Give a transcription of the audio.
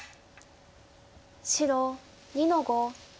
白２の五。